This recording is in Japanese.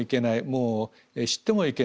もう知ってもいけない。